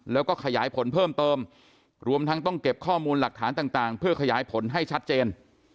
แล้วก็ขยายผลเพิ่มเติมรวมทั้งต้องเก็บข้อมูลหลักฐานต่างเพื่อขยายผลให้ชัดเจน